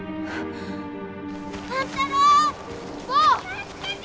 ・助けて！